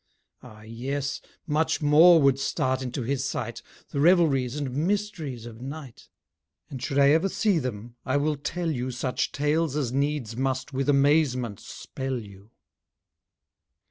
Ah, yes! much more would start into his sight The revelries, and mysteries of night: And should I ever see them, I will tell you Such tales as needs must with amazement spell you.